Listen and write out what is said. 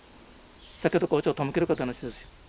酒とかお茶を手向けるかという話ですよ。